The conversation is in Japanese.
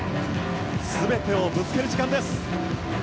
全てをぶつける時間です。